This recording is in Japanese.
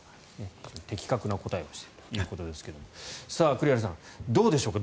的確な答えをしているということですが栗原さん、どうでしょうか。